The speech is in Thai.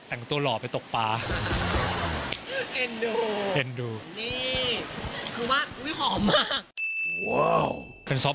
แต่งตัวหล่อไปตกปลาเอ็นดูเอ็นดูนี่คือว่าหอมมาก